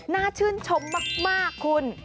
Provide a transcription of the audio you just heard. น่าชื่นชมมากคุณ